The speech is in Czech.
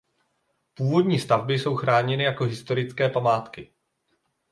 Původní stavby jsou chráněny jako historické památky.